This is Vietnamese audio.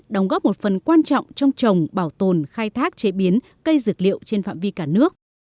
đóng góp một phần quan trọng trong trồng bảo tồn khai thác chế biến cây dược liệu trên phạm vi cả nước